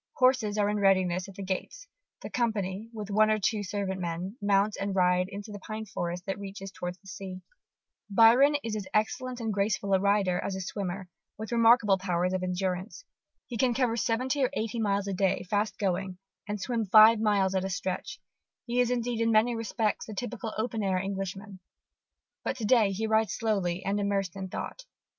Horses are in readiness at the gates: the company, with one or two servant men, mount and ride into the pine forest that reaches towards the sea. Byron is as excellent and graceful a rider as a swimmer, with remarkable powers of endurance. He can cover seventy or eighty miles a day, fast going, and swim five miles at a stretch: he is indeed, in many respects, the typical open air Englishman. But to day he rides slowly and immersed in thought.